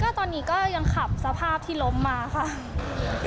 ตอนนี้ก็ยังขับสภาพที่ล้มมาค่ะ